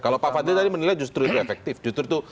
kalau pak fadli tadi menilai justru itu efektif justru itu